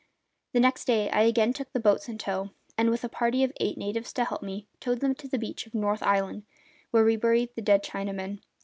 The next day I again took the boats in tow and, with a party of eight natives to help me, towed them to the beach of North Island, where we buried the dead Chinamen.